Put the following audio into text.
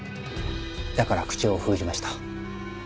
だから口を封じました。